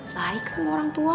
baik sama orang tua